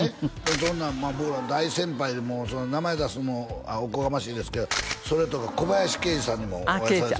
そんなん僕らの大先輩でもう名前出すのもおこがましいですけどそれとか小林桂樹さんにもお会いされて